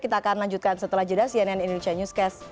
kita akan lanjutkan setelah jeda cnn indonesia newscast